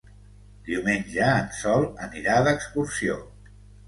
Diumenge en Sol anirà d'excursió.